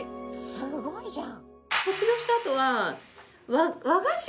すごいじゃん。